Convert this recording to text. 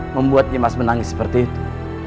membuat nyi mas menangis seperti itu